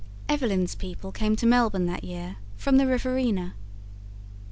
Evelyn's people came to Melbourne that year from the Riverina.